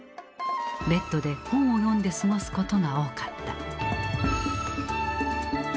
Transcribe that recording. べッドで本を読んで過ごすことが多かった。